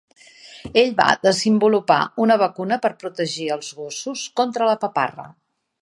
Ell va desenvolupar una vacuna per protegir els gossos contra la paparra.